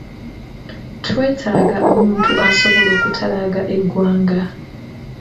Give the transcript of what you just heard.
Twetaaga omuntu asobola okutalaaga eggwanga.